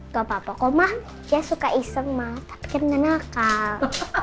gapapa kok mah dia suka iseng mah tapi kan gak nakal